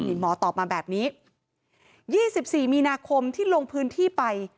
คุณหญิงหมอตอบมาแบบนี้ยี่สิบสี่มีนาคมที่ลงพื้นที่ไป